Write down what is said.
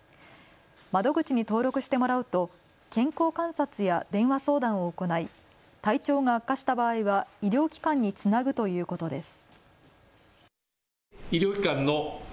窓口に登録してもらうと健康観察や電話相談を行い体調が悪化した場合は医療機関につなぐということです。